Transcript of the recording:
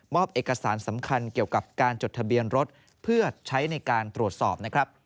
เอกสารสำคัญเกี่ยวกับการจดทะเบียนรถเพื่อใช้ในการตรวจสอบนะครับ